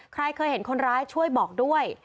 ใครเคยเห็นคนร้ายช่วยบอกด้วย